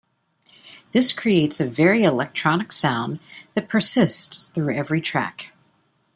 This creates a very electronic sound that persists through every track.